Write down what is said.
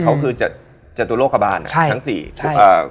เขาคือจะตัวโรคบาปนะทั้งสี่ใช่